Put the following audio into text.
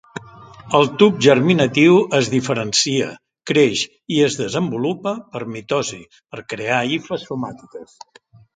El tub germinatiu es diferencia, creix i es desenvolupa per mitosi per crear hifes somàtiques.